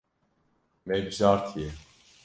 Me bijartiye.